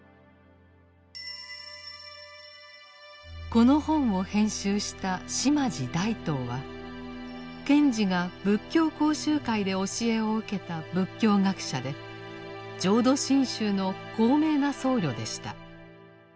この本を編集した島地大等は賢治が仏教講習会で教えを受けた仏教学者で浄土真宗の高名な僧侶でした。